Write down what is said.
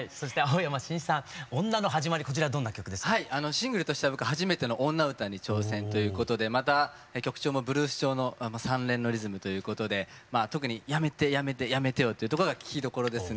シングルとしては僕初めての女歌に挑戦ということでまた曲調もブルース調の３連のリズムということで特に「やめてやめてやめてよ」っていうところが聴きどころですね。